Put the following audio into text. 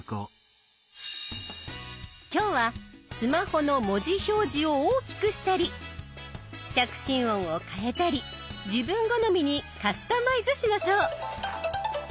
今日はスマホの文字表示を大きくしたり着信音を変えたり自分好みにカスタマイズしましょう。